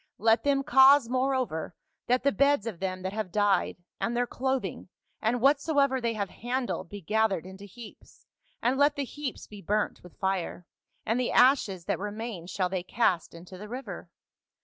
Let them cause moreover that the beds of 2:W FA UL. them that have died, and their clothing and whatsoever they have handled be gathered into heaps, and let the heaps be burnt with fire, and the ashes that remain shall they cast into the river.